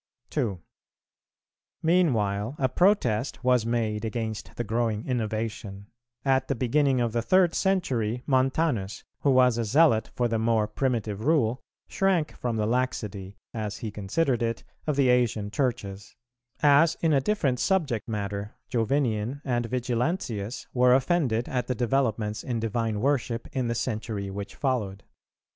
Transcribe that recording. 2. Meanwhile a protest was made against the growing innovation: at the beginning of the third century Montanus, who was a zealot for the more primitive rule, shrank from the laxity, as he considered it, of the Asian Churches;[385:1] as, in a different subject matter, Jovinian and Vigilantius were offended at the developments in divine worship in the century which followed.